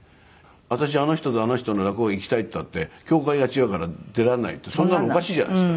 私あの人とあの人の落語行きたいって言ったって協会が違うから出られないってそんなのおかしいじゃないですか。